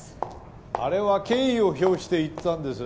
あれは敬意を表して言ったんです。